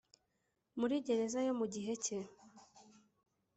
muri gereza yo mu gihe cye